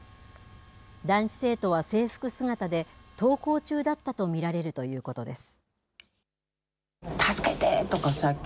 男子生徒は制服姿で、登校中だったと見られるということです。